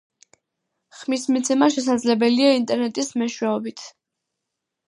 ხმის მიცემა შესაძლებელია ინტერნეტის მეშვეობით.